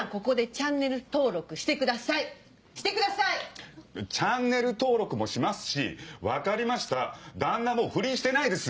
チャンネル登録もしますし分かりました旦那も不倫してないです。